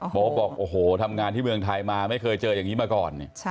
บอกโอ้โหทำงานที่เมืองไทยมาไม่เคยเจออย่างนี้มาก่อน